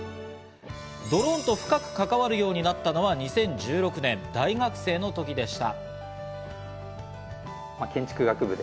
ドローンと深く関わるようになったのは、２０１６年、大学生の時でした。